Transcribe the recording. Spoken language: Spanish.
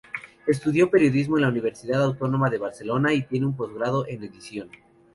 Estudió Periodismo en la Universitat Autònoma de Barcelona y tiene un posgrado en Edición.